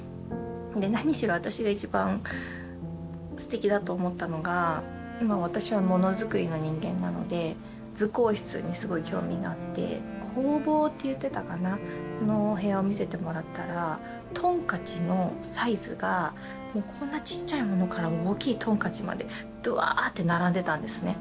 何しろ私が一番すてきだと思ったのが私はもの作りの人間なので図工室にすごい興味があって工房って言ってたかな？のお部屋を見せてもらったらトンカチのサイズがこんなちっちゃいものから大きいトンカチまでドワって並んでたんですね。